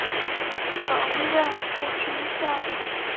曾任护军校。